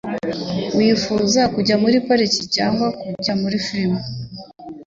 Wifuza kujya muri pariki cyangwa kujya muri firime?